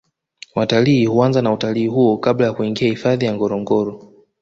watalii huanza na utalii huo kabla ya kuingia hifadhi ya ngorongoro